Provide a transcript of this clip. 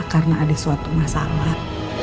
karena ada suatu masalah